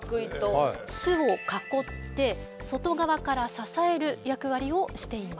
巣を囲って外側から支える役割をしています。